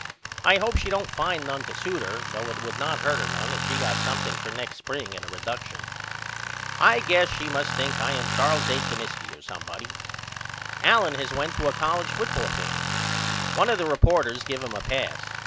I hope she don't find none to suit her though it would not hurt none if she got something for next spring at a reduckshon. I guess she must think I am Charles A. Comiskey or somebody. Allen has went to a colledge football game. One of the reporters give him a pass.